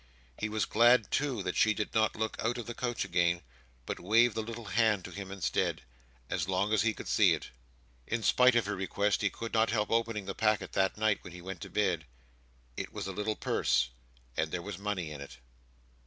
He was glad too that she did not look out of the coach again, but waved the little hand to him instead, as long as he could see it. In spite of her request, he could not help opening the packet that night when he went to bed. It was a little purse: and there was money in it.